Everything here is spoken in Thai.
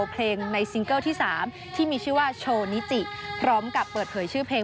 เพลงในซิงเกิลที่๓ที่มีชื่อว่าโชนิจิพร้อมกับเปิดเผยชื่อเพลง